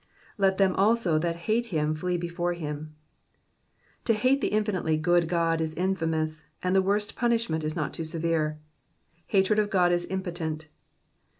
''''Let them also that hate him flee before Am." To hate the infinitely good God is infamous, and the worst punishment is not too severe. Hatred of God is impotent.